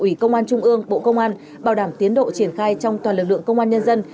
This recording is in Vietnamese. ủy công an trung ương bộ công an bảo đảm tiến độ triển khai trong toàn lực lượng công an nhân dân